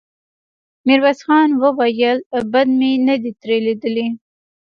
ميرويس خان وويل: بد مې نه دې ترې ليدلي.